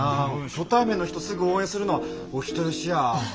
初対面の人すぐ応援するのはお人よしや。